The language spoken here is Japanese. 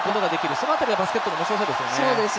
その辺りはバスケットの面白さですよね。